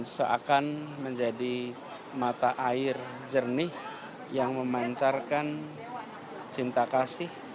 seakan menjadi mata air jernih yang memancarkan cinta kasih